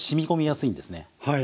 はい。